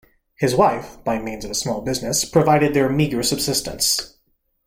His wife, by means of a small business, provided their meager subsistence.